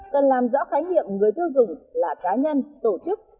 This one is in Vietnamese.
cần làm rõ khái niệm người tiêu dùng là cá nhân tổ chức